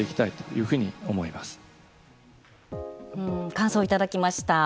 感想頂きました。